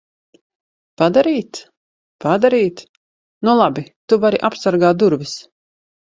Padarīt? Padarīt? Nu labi. Tu vari apsargāt durvis.